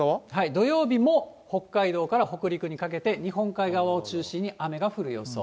土曜日も北海道から北陸にかけて、日本海側を中心に雨が降る予想。